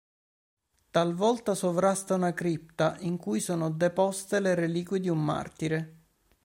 Talvolta sovrasta una cripta in cui sono deposte le reliquie di un martire.